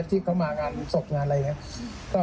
ที่เขามางานศพงานอะไรอย่างนี้